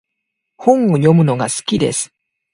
本を読むのが好きです。